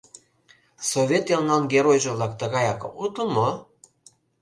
Совет элнан геройжо-влак тыгаяк огытыл мо?